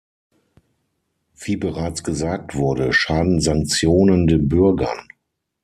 Wie bereits gesagt wurde, schaden Sanktionen den Bürgern.